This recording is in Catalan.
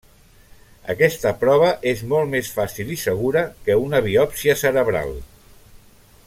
Aquesta prova és molt més fàcil i segura que una biòpsia cerebral.